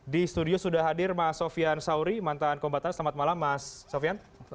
di studio sudah hadir mas sofian sauri mantan kombatan selamat malam mas sofian